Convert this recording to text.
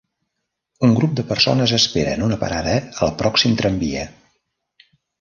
Un grup de persones espera en una parada al pròxim tramvia